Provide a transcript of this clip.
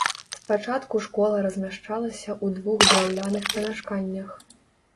Спачатку школа размяшчалася ў двух драўляных памяшканнях.